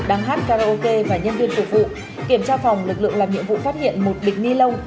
đang hát karaoke và nhân viên phục vụ kiểm tra phòng lực lượng làm nhiệm vụ phát hiện một bịch ni lông